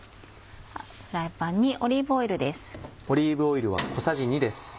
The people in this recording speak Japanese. フライパンにオリーブオイルです。